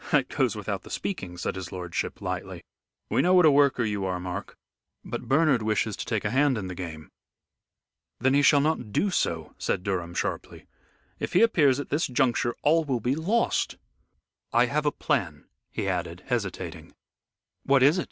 "That goes without the speaking," said his lordship, lightly; "we know what a worker you are, Mark. But Bernard wishes to take a hand in the game." "Then he shall not do so," said Durham, sharply. "If he appears at this juncture all will be lost. I have a plan," he added, hesitating. "What is it?"